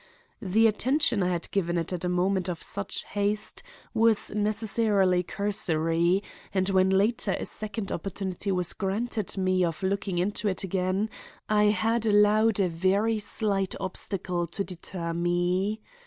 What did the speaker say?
The attention I had given it at a moment of such haste was necessarily cursory, and when later a second opportunity was granted me of looking into it again, I had allowed a very slight obstacle to deter me.